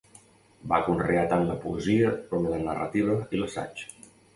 Va conrear tant la poesia com la narrativa i l'assaig.